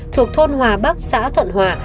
thuộc thôn hòa bắc xã thuận hòa